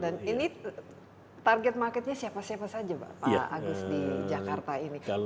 dan ini target marketnya siapa siapa saja pak agus di jakarta ini